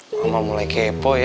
mama mulai kepo ya